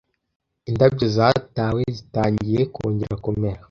indabyo zatawe zitangiye kongera kumera